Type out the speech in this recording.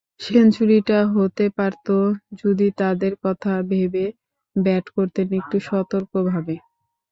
সেঞ্চুরিটাও হতে পারত, যদি নিজের কথা ভেবে ব্যাট করতেন একটু সতর্কভাবে।